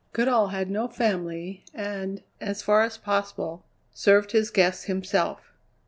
Goodale had no family, and, as far as possible, served his guests himself.